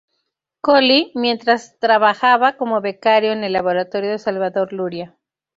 Coli., mientras trabajaba como becario en el laboratorio de Salvador Luria.